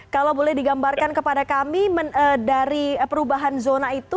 kalau boleh digambarkan kepada kami dari perubahan zona itu